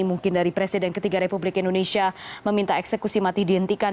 mungkin dari presiden ketiga republik indonesia meminta eksekusi mati dihentikan